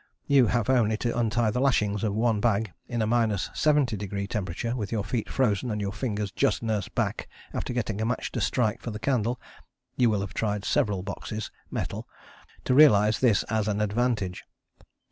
You have only to untie the lashings of one bag in a 70° temperature, with your feet frozen and your fingers just nursed back after getting a match to strike for the candle (you will have tried several boxes metal), to realize this as an advantage.